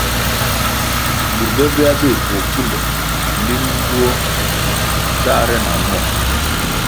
Burʼ bobehya beh koh pfunde linʼ mbvuo tahre na nwo,